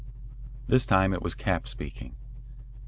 This time it was Capps speaking.